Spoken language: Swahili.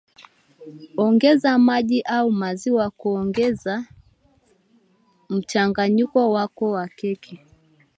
Ongeza maji au maziwa kulainisha mchanganyiko wako wa keki